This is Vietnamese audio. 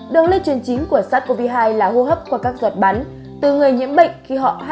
đường lý chuyển chính của sars cov hai là hô hóa